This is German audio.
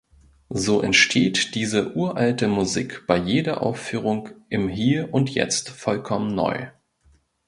So entsteht diese uralte Musik bei jeder Aufführung im Hier und Jetzt vollkommen neu.